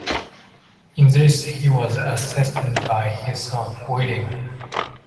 In this he was assisted by his son, William.